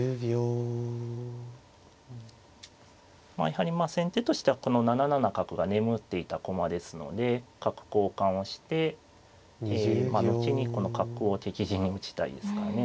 やはりまあ先手としてはこの７七角が眠っていた駒ですので角交換をして後にこの角を敵陣に打ちたいですかね。